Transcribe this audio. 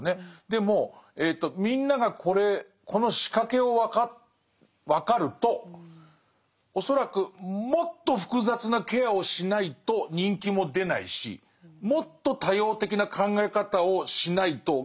でもえとみんながこの仕掛けを分かると恐らくもっと複雑なケアをしないと人気も出ないしもっと多様的な考え方をしないと嫌われるようになると思うんです。